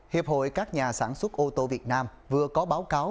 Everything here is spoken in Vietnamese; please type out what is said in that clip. hiệp hội các nhà sản xuất ô tô việt nam vừa có báo cáo